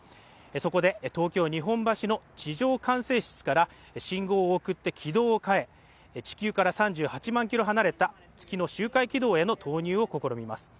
そこで東京日本橋の地上管制室から信号を送って軌道を変え地球から３８万キロ離れた月の周回軌道への投入を試みます